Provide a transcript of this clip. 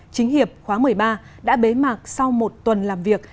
chính hiệp khóa một mươi ba đã bế mạc sau một tuần làm việc